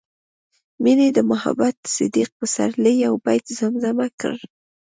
مينې د محمد صديق پسرلي يو بيت زمزمه کړ